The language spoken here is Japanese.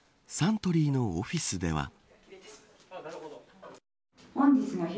サントリーのオフィスでは。